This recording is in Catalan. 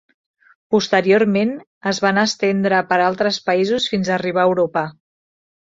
Posteriorment es van estendre per altres països fins a arribar a Europa.